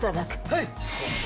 はい！